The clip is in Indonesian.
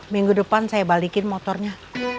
minggu depan saya balikin motornya